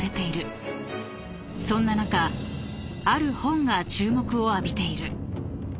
［そんな中ある本が注目を浴びている］